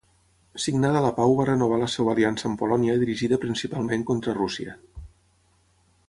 Signada la pau va renovar la seva aliança amb Polònia dirigida principalment contra Rússia.